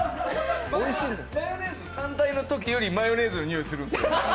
マヨネーズ単体のときよりマヨネーズのにおいするんです。